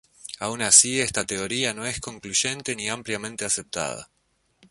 Aun así, esta teoría no es concluyente ni ampliamente aceptada.